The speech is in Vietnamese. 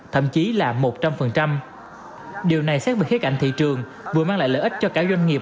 thậm chí là một trăm linh điều này xét về khía cạnh thị trường vừa mang lại lợi ích cho cả doanh nghiệp